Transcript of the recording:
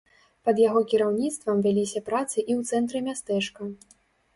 Пад яго кіраўніцтвам вяліся працы і ў цэнтры мястэчка.